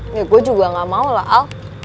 ini gue juga gak mau lah al